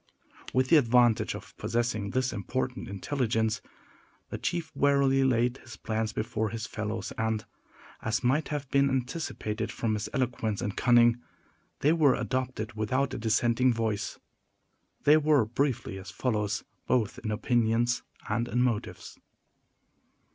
With the advantage of possessing this important intelligence, the chief warily laid his plans before his fellows, and, as might have been anticipated from his eloquence and cunning, they were adopted without a dissenting voice. They were, briefly, as follows, both in opinions and in motives.